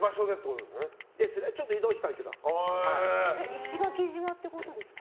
石垣島ってことですか？